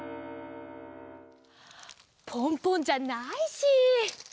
ポンポンじゃないし。